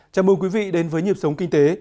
chào mừng quý vị đến với nhịp sống kinh tế